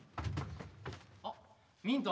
あっミント